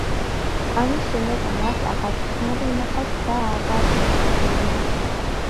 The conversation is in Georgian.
ამის შემდეგ მას აღარც ქმარი უნახავს და აღარც ბოჰემია.